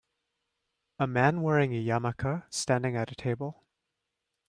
A man wearing a yarmulke standing at a table.